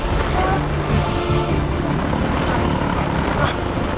dia berada di luar sana